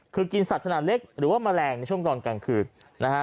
คือกินสัตว์ขนาดเล็กหรือว่าแมลงในช่วงตอนกลางคืนนะฮะ